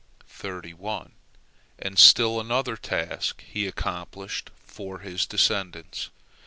And still another task he accomplished for his descendants.